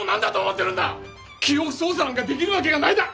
記憶操作なんかできるわけがないんだ！